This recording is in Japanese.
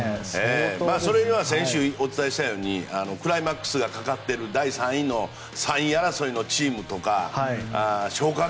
それには先週お伝えしたようにクライマックスがかかってる３位争いのチームとか消化